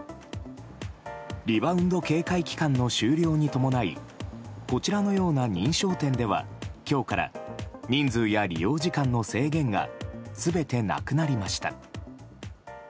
リバウンド警戒期間の終了に伴いこちらのような認証店では今日から人数や利用時間の制限が全てなくなりました。